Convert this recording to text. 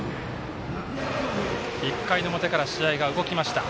１回の表から試合が動きました。